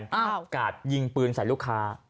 กะจากดินยิงปืนใส่ลูกค้า